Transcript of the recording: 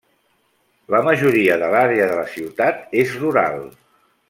La majoria de l'àrea de la ciutat és rural.